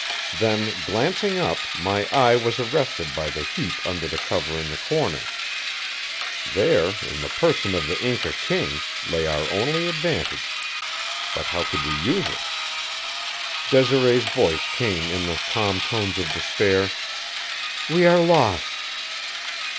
Then, glancing up, my eye was arrested by the heap under the cover in the corner. There, in the person of the Inca king, lay our only advantage. But how could we use it? Desiree's voice came in the calm tones of despair: "We are lost."